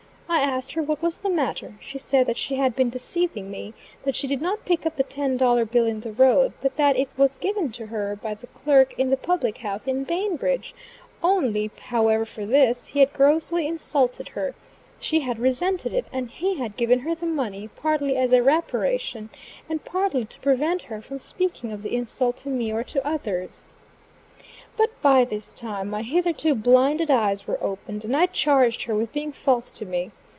I asked her what was the matter? She said that she had been deceiving me; that she did not pick up the ten dollar bill in the road; but that it was given to her by the clerk in the public house in Bainbridge; only, however, for this: he had grossly insulted her; she had resented it, and he had given her the money, partly as a reparation, and partly to prevent her from speaking of the insult to me or to others. But by this time my hitherto blinded eyes were opened, and I charged her with being false to me.